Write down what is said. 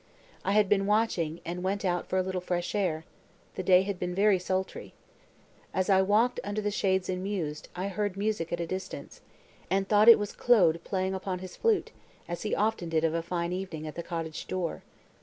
I had been watching, and went out for a little fresh air, the day had been very sultry. As I walked under the shades and mused, I heard music at a distance, and thought it was Claude playing upon his flute, as he often did of a fine evening, at the cottage door.